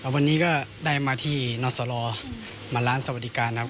วันนี้ก็ได้มาที่นสลมาร้านสวัสดิการนะครับ